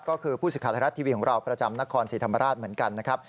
ก็คือผู้สิทธิ์ไทยรัฐทีวีของเราประจำนครศรีธรรมราชเหมือนกันนะครับ